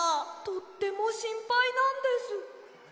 とってもしんぱいなんです。